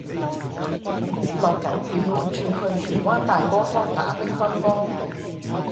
落緊雨仲要趕住去荃灣大陂坊打乒乓波